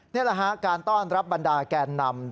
นี่แหละฮะการต้อนรับบรรดาแกนนำ